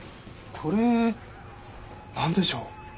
これなんでしょう？